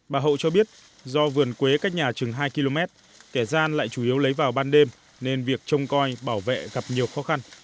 bà hậu cho biết do vườn quế cách nhà chừng hai km kẻ gian lại chủ yếu lấy vào ban đêm nên việc trông coi bảo vệ gặp nhiều khó khăn